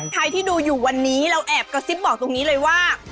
ใครที่ดูอยู่วันนี้เราแอบกระซิบบอกตรงนี้เลยว่า